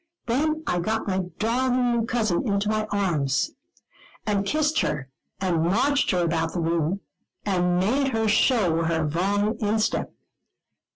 Then I got my darling new cousin into my arms, and kissed her, and marched her about the room, and made her show her Vaughan instep.